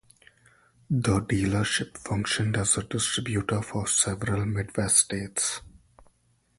The dealership functioned as a distributor for several Midwest states.